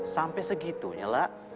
sampai segitunya lah